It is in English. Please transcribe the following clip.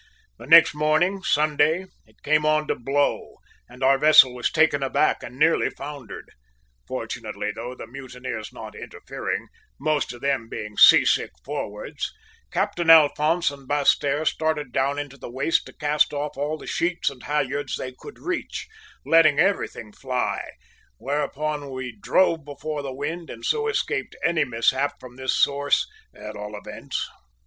"The next morning, Sunday, it came on to blow, and our vessel was taken aback and nearly foundered. Fortunately, though, the mutineers not interfering, most of them being seasick forwards, Captain Alphonse and Basseterre started down into the waist to cast off all the sheets and halliards they could reach, letting everything fly; whereupon we drove before the wind and so escaped any mishap from this source, at all events!